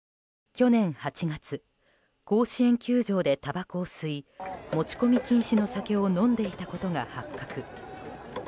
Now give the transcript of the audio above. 去年８月甲子園球場でたばこを吸い持ち込み禁止の酒を飲んでいたことが発覚。